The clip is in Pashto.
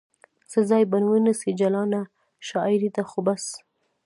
څه ځای به ونیسي جلانه ؟ شاعرې ده خو بس